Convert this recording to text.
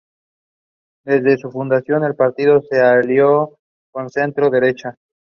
Desde su fundación, el partido se alió con el centro-derecha.